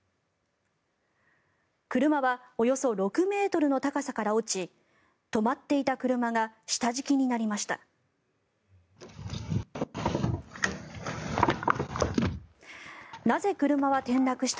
車はおよそ６ｍの高さから落ち止まっていた車が下敷きになりました。